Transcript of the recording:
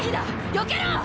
よけろ！